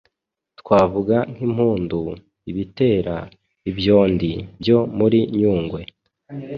Twavuga nk’impundu, ibitera, ibyondi byo muri Nyungwe